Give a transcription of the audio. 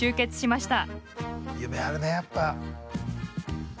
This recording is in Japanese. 夢あるねやっぱ。